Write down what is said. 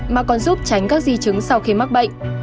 mà còn giúp tránh các di chứng sau khi mắc bệnh